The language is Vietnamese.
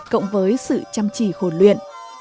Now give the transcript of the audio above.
cộng với sự chăm chỉ khổ luyện